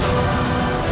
tidak akan ibunda